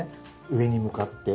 上に向かって。